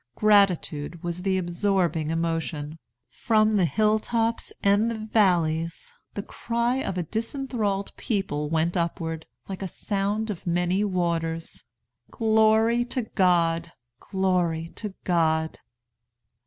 Gratitude was the absorbing emotion. From the hill tops and the valleys the cry of a disenthralled people went upward, like the sound of many waters: 'Glory to God! Glory to God!'"